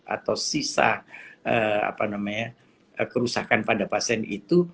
atau sisa kerusakan pada pasien itu